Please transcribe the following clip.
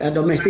sekali lagi itu